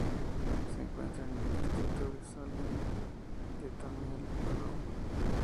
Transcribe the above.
Se encuentra en el distrito de Salem de Tamil Nadu.